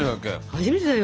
初めてだよ。